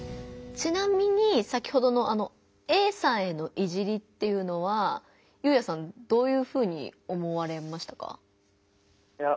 ちなみに先ほどのＡさんへの「いじり」っていうのはゆうやさんどういうふうに思われましたか？